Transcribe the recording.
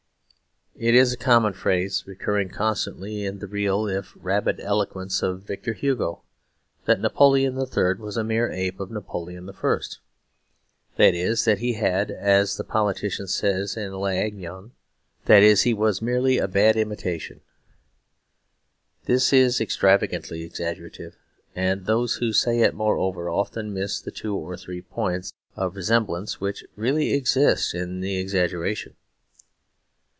It is a common phrase, recurring constantly in the real if rabid eloquence of Victor Hugo, that Napoleon III. was a mere ape of Napoleon I. That is, that he had, as the politician says, in "L'Aiglon," "le petit chapeau, mais pas la tête"; that he was merely a bad imitation. This is extravagantly exaggerative; and those who say it, moreover, often miss the two or three points of resemblance which really exist in the exaggeration.